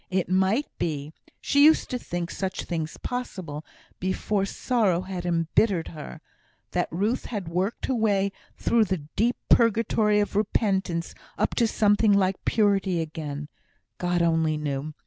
It might be she used to think such things possible, before sorrow had embittered her that Ruth had worked her way through the deep purgatory of repentance up to something like purity again; God only knew!